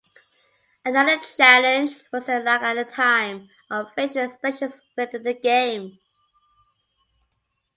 Another challenge was the lack (at the time) of facial expressions within the game.